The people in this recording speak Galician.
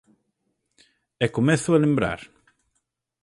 E comezo a lembrar...